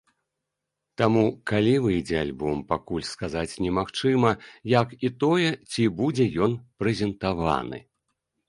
Таму, калі выйдзе альбом, пакуль сказаць немагчыма, як і тое, ці будзе ён прэзентаваны.